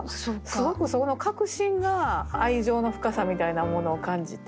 すごくそこの確信が愛情の深さみたいなものを感じて。